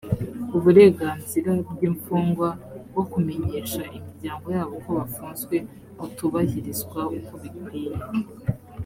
uburenganzira bw’imfungwa bwo kumenyesha imiryango yabo ko bafunzwe butubahirizwa uko bikwiye